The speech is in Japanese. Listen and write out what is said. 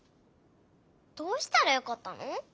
どうしたらよかったの？